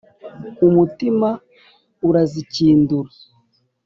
Umutima urazikindura